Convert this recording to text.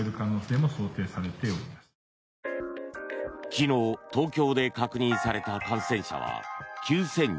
昨日、東京で確認された感染者は９０１２人。